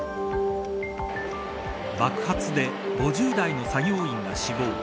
爆発で５０代の作業員が死亡。